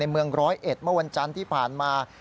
เมืองร้อยเอ็ดเมื่อวันจันทร์ที่ผ่านมา